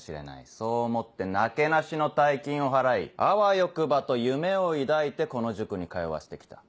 そう思ってなけなしの大金を払いあわよくばと夢を抱いてこの塾に通わせて来た。